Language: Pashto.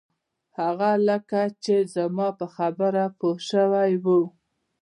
هغه لکه چې زما په خبره پوی شوی و.